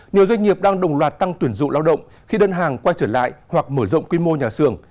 nhiều doanh nghiệp đang đồng loạt tăng tuyển dụng lao động khi đơn hàng quay trở lại hoặc mở rộng quy mô nhà xưởng